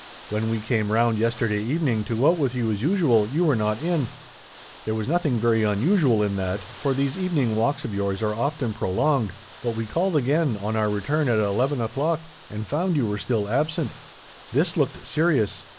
When we came round, yesterday evening, to go out with you as usual, you were not in. There was nothing very unusual in that, for these evening walks of yours are often prolonged; but we called again, on our return at eleven o'clock, and found you were still absent. This looked serious.